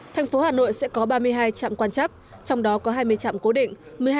thành phố hà nội sẽ có ba mươi hai trạm quan chắc trong đó có hai mươi trạm cố định